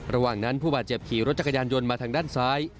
ระหว่างนั้นผู้บาดเจ็บขี่รถจักรยานยนต์มาทางด้านซ้าย